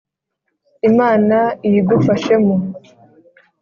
Imana iyigufashemo